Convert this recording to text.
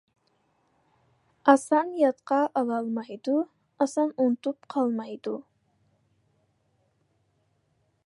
ئاسان يادقا ئالالمايدۇ، ئاسان ئۇنتۇپ قالمايدۇ.